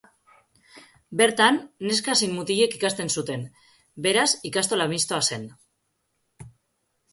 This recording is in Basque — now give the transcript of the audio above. Bertan, neska zein mutilek ikasten zuten, beraz ikastola mistoa zen.